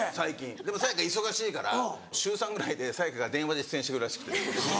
でもさや香忙しいから週３ぐらいでさや香が電話で出演してるらしくて。